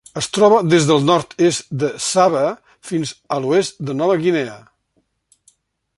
Es troba des del nord-est de Sabah fins a l'oest de Nova Guinea.